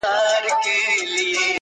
که تاجک دی، که اوزبک دی، یو افغان دی٫